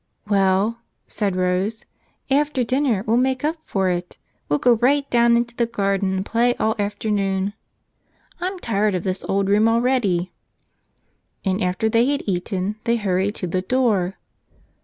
"Well," said Rose, "after dinner we'll make up for it. We'll go right down into the garden and play all afternoon. I'm tired of this old room already." And after they had eaten, they hurried to the door.